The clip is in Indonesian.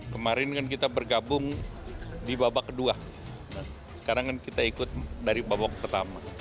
kemarin kan kita bergabung di babak kedua sekarang kan kita ikut dari babak pertama